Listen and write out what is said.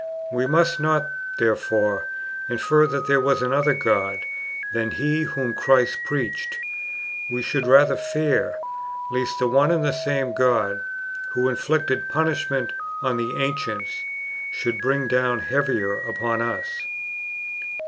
We must not, there fore, infer that there ivas another God than lie whom Qunst i^reached; ive should rather fear, lest the one and the same God loho inflicted punishment on the ancients, should bring down heavier upon us.